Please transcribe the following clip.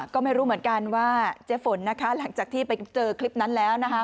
ก็ไม่รู้เหมือนกันว่าเจ๊ฝนนะคะหลังจากที่ไปเจอคลิปนั้นแล้วนะคะ